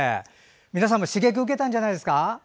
皆さんも刺激を受けたんじゃないですか。